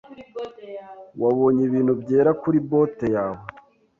Wabonye ibintu byera kuri bote yawe.